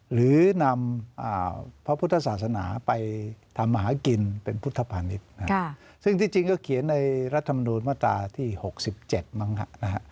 หรือนำพระพุทธศาสนาไปทำหากินเป็นพุทธภานิษฐ์ซึ่งที่จริงก็เขียนในรัฐมนูลมาตราที่๖๗มั้ง